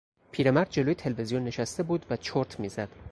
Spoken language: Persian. پیرمرد جلو تلویزیون نشسته بود و چرت میزد.